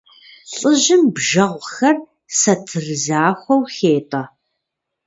ЛӀыжьым бжэгъухэр сатыр захуэу хетӀэ.